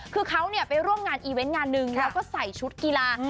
คือเขาไปร่วมงานอีเวนต์งานหนึ่งแล้วก็ใส่ชุดกีฬา